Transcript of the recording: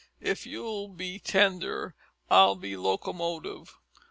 If you'll be tender, I'll be locomotive.